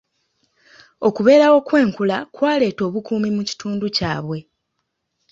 Okubeerawo kw'enkula kwaleeta obukuumi mu kitundu kyabwe.